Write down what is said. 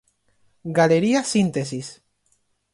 Galería Síntesis.